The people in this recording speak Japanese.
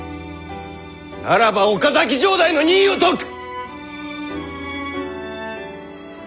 ならば岡崎城代の任を解く！